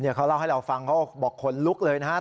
เนี่ยเขาเล่าให้เราฟังเขาบอกขนลุกเลยนะฮะ